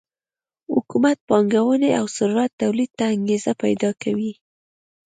حکومت پانګونې او ثروت تولید ته انګېزه پیدا کوي.